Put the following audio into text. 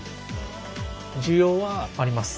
需要は？あります。